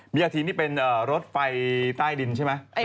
มีอาทินนี่เป็นรถไฟใต้ดินใช่ไหม